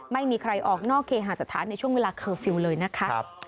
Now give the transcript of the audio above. ไม่มีใครออกนอกเคหาสถานในช่วงเวลาเคอร์ฟิลล์เลยนะคะ